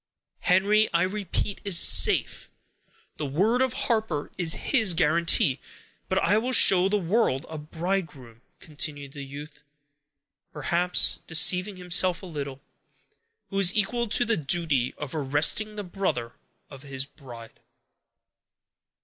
"Henry, I repeat, is safe. The word of Harper is his guarantee; but I will show the world a bridegroom," continued the youth, perhaps deceiving himself a little, "who is equal to the duty of arresting the brother of his bride."